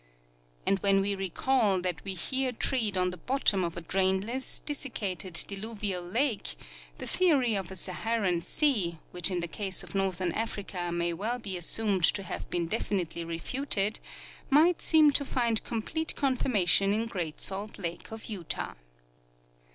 And when we recall that we here tread on the bottom of a drainless, desiccated diluvial lake, the theory of a Saharan sea, which in the case of northern Africa may well be assumed to have been definitively refuted, might seem to find complete confirmation in Great Salt lake of Utah.